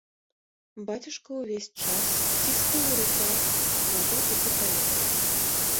Бацюшка ўвесь час ціскаў у руках пугу і капялюш.